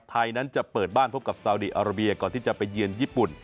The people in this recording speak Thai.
ไทยนั้นจะเปิดบ้านพบกับซาวดีอาราเบียก่อนที่จะไปเยือนญี่ปุ่น